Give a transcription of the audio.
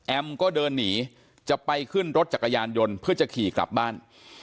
ก็เดินหนีจะไปขึ้นรถจักรยานยนต์เพื่อจะขี่กลับบ้าน